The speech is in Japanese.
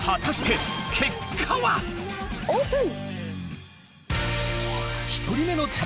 オープン！